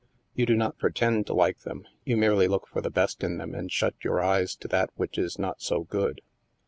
" You do not pretend to like them. You merely look for the best in them and shut your eyes to that which is not so good.